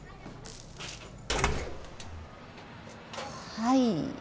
はい。